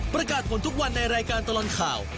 ประกาศผลทุกวันในรายการตลอดข่าว